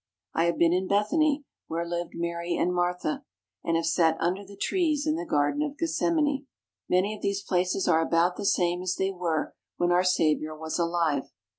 I have been in Bethany, where lived Mary and Martha, and have sat under the trees in the Garden of Gethsemane. Many of these places are about the same as they were when our Saviour was alive.